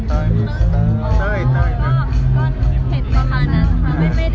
เห็นประมาณนั้นค่ะ